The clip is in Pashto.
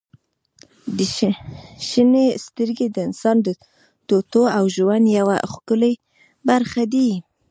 • شنې سترګې د انسان د ټوټو او ژوند یوه ښکلي برخه دي.